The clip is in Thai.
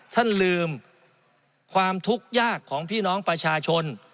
ท่านลืมความทุกข์ยากของพี่น้องประชาชน